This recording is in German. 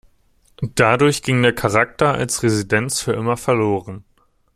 Dadurch ging der Charakter als Residenz für immer verloren.